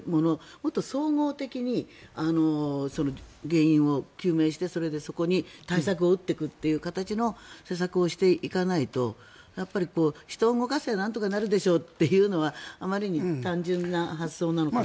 もっと総合的に原因を究明してそれでそこに対策を打っていくという形の施策をしていかないと人を動かせばなんとかなるでしょというのはあまりに単純な発想なのかなと。